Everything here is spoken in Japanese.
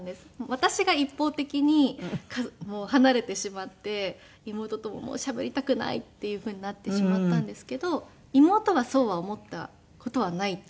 私が一方的に離れてしまって妹とももうしゃべりたくないっていうふうになってしまったんですけど妹はそうは思った事はないっていうのを。